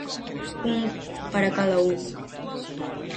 Un para cada un.